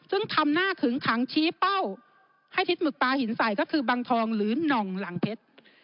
ซึ่งทำหน้าขึงขังชี้เป้าให้ทิศหมึกปลาหินใส่ก็คือบังทองหรือหน่องหลังเพชร